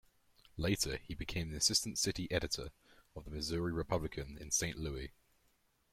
Later he became the Assistant City Editor of the "Missouri Republican" in Saint Louis.